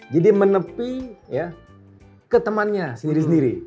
jadi menepi ya ke temannya sendiri sendiri